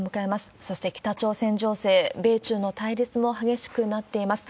そして北朝鮮情勢、米中の対立も激しくなっています。